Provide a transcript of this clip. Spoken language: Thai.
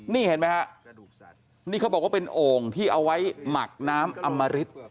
นี่เห็นไหมฮะนี่เขาบอกว่าเป็นโอ่งที่เอาไว้หมักน้ำอำมริต